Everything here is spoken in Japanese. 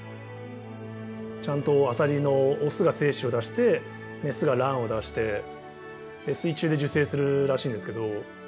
ちゃんとアサリのオスが精子を出してメスが卵を出してで水中で受精するらしいんですけど